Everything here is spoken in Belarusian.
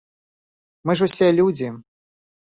Мы ж усе людзі.